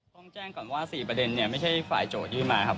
ฟ้องแจ้งก่อนว่า๔ประเด็นไม่ใช่ฝ่ายโจทย์ที่มีมาครับ